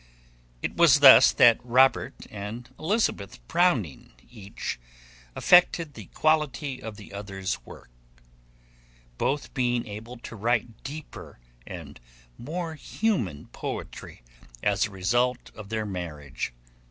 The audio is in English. It was thus that Robert and Elizabeth Browning each affected the quality of the other's work, both being able to write deeper and more human poetry as a result of their marriage.